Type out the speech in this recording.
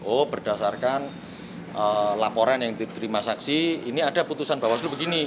oh berdasarkan laporan yang diterima saksi ini ada putusan bawaslu begini